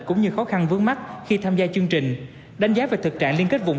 cũng như khó khăn vướng mắt khi tham gia chương trình đánh giá về thực trạng liên kết vùng